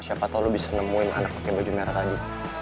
siapa tau lo bisa nemuin anak pakai baju merah tadi